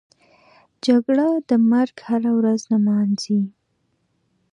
جګړه د مرګ هره ورځ نمانځي